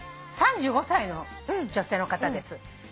３５歳の女性の方です。